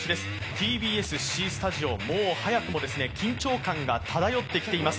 ＴＢＳ・Ｃスタジオ、もう早くも緊張感が漂ってきています。